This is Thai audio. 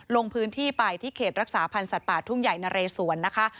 ลงพื้นที่ไปที่เขตรักษาพันธ์สัตว์ป่าทุ่งใหญ่นะเรสวนนะคะ